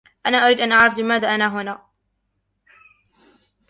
أنا أريد أن أعرف لماذا أنا هنا.